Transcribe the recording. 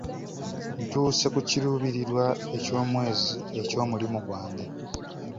Ntuuse ku kiruubirirwa eky'omwezi eky'omulimu gwange.